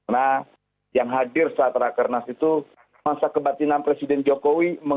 nah yang hadir saat rakernas itu masa kebatinan presiden jokowi